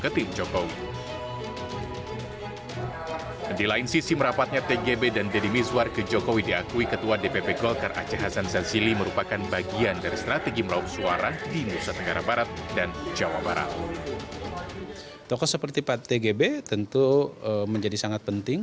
tokoh seperti pak dedy mizwar kita tahu bahwa beliau adalah mantan wakil gubernur jawa barat